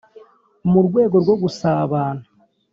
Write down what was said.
mu rwego rwo gusabana